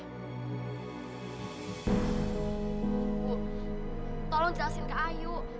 ibu tolong jelasin ke ayu